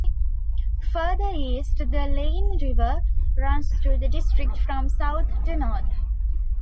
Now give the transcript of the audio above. Further east the Leine river runs through the district from south to north.